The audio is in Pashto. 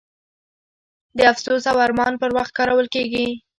د افسوس او ارمان پر وخت کارول کیږي.